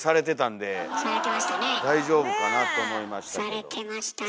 されてましたね。